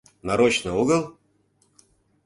Нарочно огыл!?